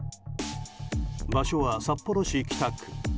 場所は札幌市北区。